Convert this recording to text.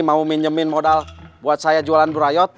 mau minjemin modal buat saya jualan burayot